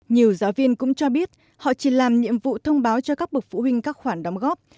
nhiều giáo viên cũng cho biết họ chỉ làm nhiệm vụ thông báo cho các bậc phụ huynh các khoản đóng góp